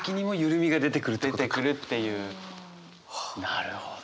なるほど。